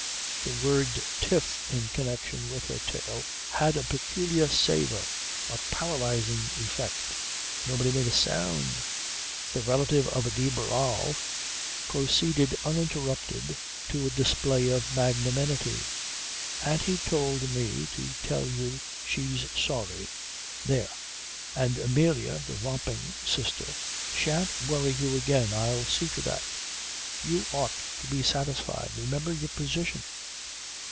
The word tiff in connection with her tale had a peculiar savour, a paralysing effect. Nobody made a sound. The relative of de Barral proceeded uninterrupted to a display of magnanimity. "Auntie told me to tell you she's sorry there! And Amelia (the romping sister) shan't worry you again. I'll see to that. You ought to be satisfied. Remember your position."